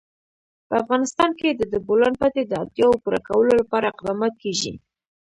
په افغانستان کې د د بولان پټي د اړتیاوو پوره کولو لپاره اقدامات کېږي.